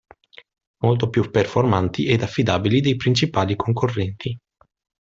Molto più performanti ed affidabili dei principali concorrenti.